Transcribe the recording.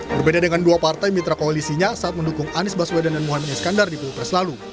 berbeda dengan dua partai mitra koalisinya saat mendukung anies baswedan dan muhaymin iskandar di pilpres lalu